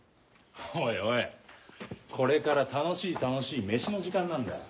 おいおいこれから楽しい楽しいメシの時間なんだよ。